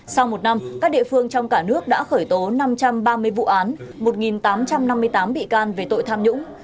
sau một năm các địa phương trong cả nước đã khởi tố năm trăm ba mươi vụ án một tám trăm năm mươi tám bị can về tội tham nhũng